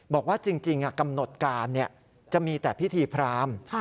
บอกว่าจริงกำหนดการจะมีแต่พิธีพราม